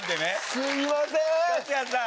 すみません！